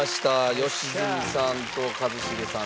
良純さんと一茂さん